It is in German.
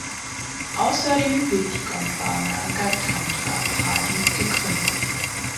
Außerdem wird die Gondwana Gadtantra Party gegründet.